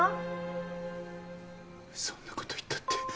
そんなこと言ったって。